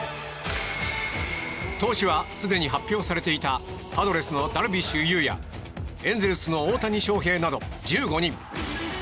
投手は、すでに発表されていたパドレスのダルビッシュ有やエンゼルスの大谷翔平など１５人。